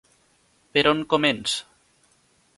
Per on començ?